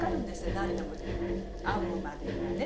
なんでも編むまでにはね。